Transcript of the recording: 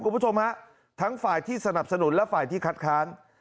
คุณผู้ชมฮะทั้งฝ่ายที่สนับสนุนและฝ่ายที่คัดค้าน